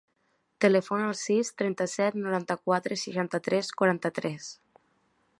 Telefona al sis, trenta-set, noranta-quatre, seixanta-tres, quaranta-tres.